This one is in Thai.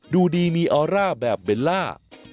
ดูดีมีออร่าแบบเบลล่า